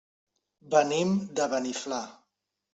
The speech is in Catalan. Venim de Beniflà.